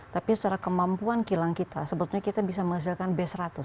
tapi secara kemampuan kilang kita sebetulnya kita bisa menghasilkan b seratus